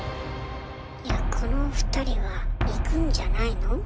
いやこの２人はいくんじゃないの？